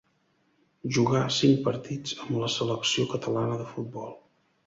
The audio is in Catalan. Jugà cinc partits amb la selecció catalana de futbol.